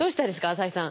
浅井さん。